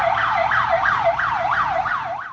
อันนี้มันต้องหยุด